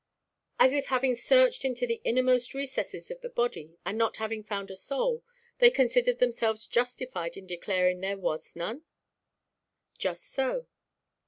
"As if having searched into the innermost recesses of the body, and not having found a soul, they considered themselves justified in declaring there was none." "Just so."